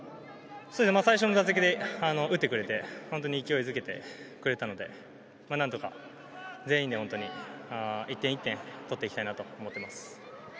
最初の打席で打ってくれて本当に勢いづけてくれたので何とか全員で１点１点とっていきたいなと思います。